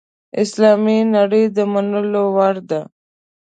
اسلامي نړۍ ته د منلو وړ ده.